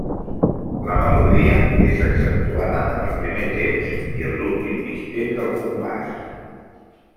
La melodia és accentuada en el primer temps i en l'últim mig temps del compàs.